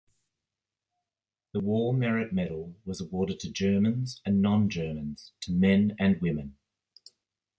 The War Merit Medal was awarded to Germans and non-Germans, to men and women.